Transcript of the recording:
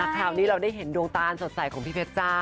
คราวนี้เราได้เห็นดวงตาสดใสของพี่เพชรจ้า